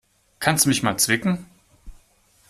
Kannst du mich mal zwicken?